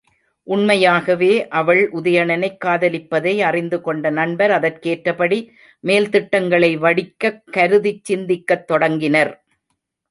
உண்மையாகவே அவள் உதயணனைக் காதலிப்பதை அறிந்து கொண்ட நண்பர், அதற்கேற்றபடி மேல்திட்டங்களை வடிக்கக் கருதிச் சிந்திக்கத் தொடங்கினர்.